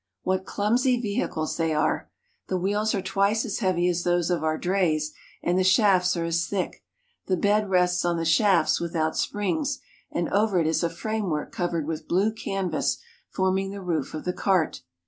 What clumsy vehicles they are ! The wheels are twice as heavy as those of our drays, and the shafts are as thick. The bed rests on the shafts without springs, and over it is a framework covered with blue canvas forming the roof of the cart.